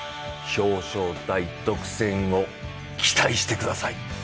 「表彰台、独占を期待してください。」